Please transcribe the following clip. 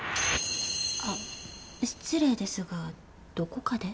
あっ失礼ですがどこかで？